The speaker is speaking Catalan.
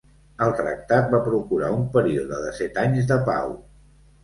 El tractat va procurar un període de set anys de pau.